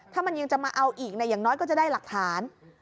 ถ้ามันยังจะมาเอาอีกอย่างน้อยก็จะได้หลักฐาน